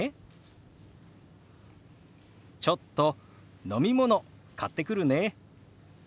「ちょっと飲み物買ってくるね」。